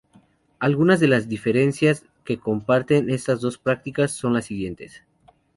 Algunas de las diferencias que comparten estas dos prácticas son las siguientes.